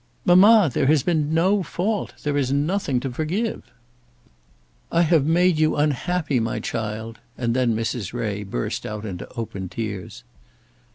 "Mamma, there has been no fault. There is nothing to forgive." "I have made you unhappy, my child," and then Mrs. Ray burst out into open tears.